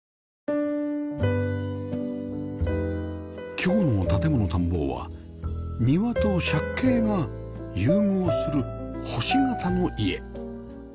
今日の『建もの探訪』は庭と借景が融合する星形の家